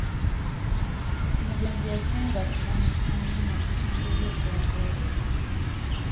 Omugenzi yasinga kumanyika nnyo mu bitundu by’e Bbongole.